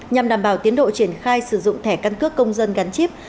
nhằm đảm bảo tiến độ triển khai sử dụng thẻ căn cước công dân gắn chip